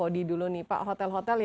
ini sudah mulai